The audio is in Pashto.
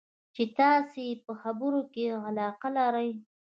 چې تاسې یې په خبرو کې علاقه لرئ.